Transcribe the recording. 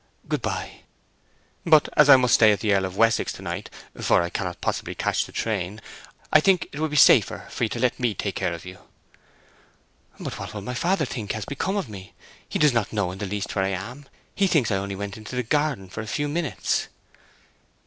Good by." "But, as I must stay at the Earl of Wessex to night, for I cannot possibly catch the train, I think it would be safer for you to let me take care of you." "But what will my father think has become of me? He does not know in the least where I am—he thinks I only went into the garden for a few minutes."